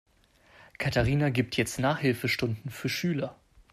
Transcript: Katharina gibt jetzt Nachhilfestunden für Schüler.